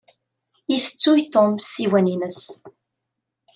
Itettuy Tom ssiwan-ines.